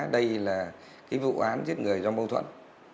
đây là vụ án giết người do mâu thuẫn